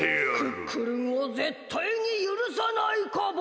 クックルンをぜったいにゆるさないカボ！